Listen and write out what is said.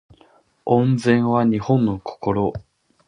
温泉は日本の心